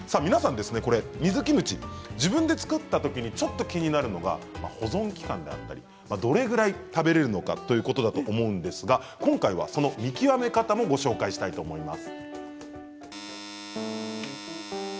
水キムチ、自分で造った時にちょっと気になるのが保存期間があったりどれぐらい食べられるのかということだと思うんですがその見極め方をご紹介したいと思います。